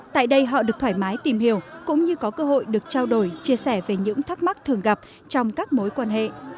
tại đây họ được thoải mái tìm hiểu cũng như có cơ hội được trao đổi chia sẻ về những thắc mắc thường gặp trong các mối quan hệ